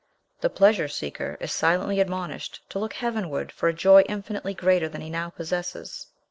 The pleasure seeker is silently admonished to look heavenward for a joy infinitely greater than he now possesses.